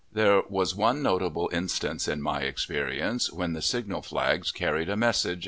There was one notable instance in my experience, when the signal flags carried a message.